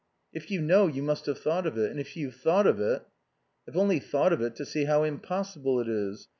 "If you know you must have thought of it. And if you've thought of it " "I've only thought of it to see how impossible it is.